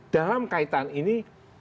dalam kaitan ini